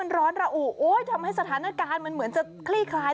อากาศที่มันร้อนระอุทำให้สถานการณ์เหมือนจะคลี่คลาย